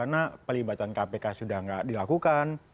nah pelibatan kpk sudah nggak dilakukan